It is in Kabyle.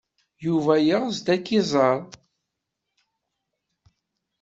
Yuba yeɣs ad k-iẓer.